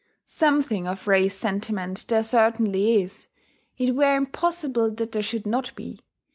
Something of race sentiment there certainly is; it were impossible that there should not be.